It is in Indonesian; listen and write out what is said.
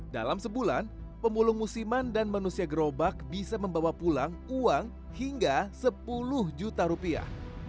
dalam sebulan pemulung musiman dan manusia gerobak bisa membawa pulang uang hingga sepuluh juta rupiah